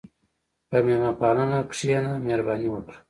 په میلمهپالنه کښېنه، مهرباني وکړه.